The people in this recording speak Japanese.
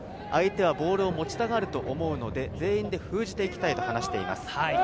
相手はボールがつながると思うので、全員で封じていきたいと話しています。